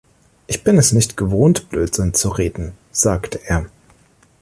„Ich bin es nicht gewohnt, Blödsinn zu reden“, sagte er.